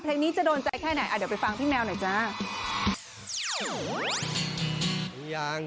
เพลงนี้จะโดนใจแค่ไหนเดี๋ยวไปฟังพี่แมวหน่อยจ้า